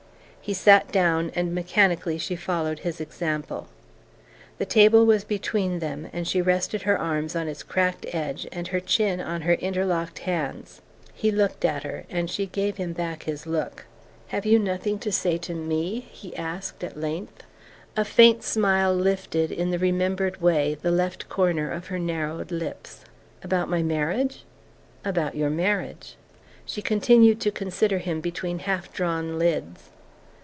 He sat down, and mechanically she followed his example. The table was between them and she rested her arms on its cracked edge and her chin on her interlocked hands. He looked at her and she gave him back his look. "Have you nothing to say to ME?" he asked at length. A faint smile lifted, in the remembered way, the left corner of her narrowed lips. "About my marriage?" "About your marriage." She continued to consider him between half drawn lids.